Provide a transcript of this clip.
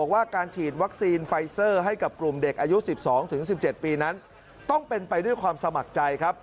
ว่าการฉีดวัคซีนไฟเซอร์ให้กับกลุ่มเด็กอายุ๑๒๑๗ปีนั้นต้องเป็นไปด้วยความสมัครใจครับ